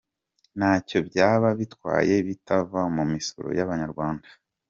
Ntacyo byaba bitwaye bitava mu misoro y’abanyarwanda…!